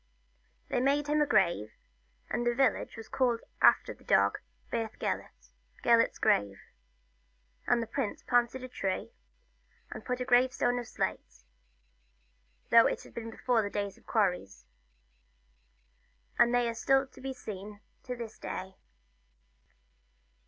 They made him a grave, and the village was called after the dog, Beth Gelert Gelert's Grave ; and the prince planted a tree, and put a gravestone of slate, though it was before the days of quarries. And they are to be seen to this day.